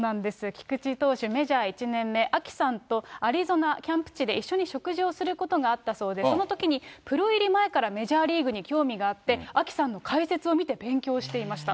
菊池投手、メジャー１年目、アキさんとアリゾナキャンプ地で一緒に食事をすることがあったそうで、そのときにプロ入り前からメジャーリーグに興味があって、アキさんの解説を見て勉強していました。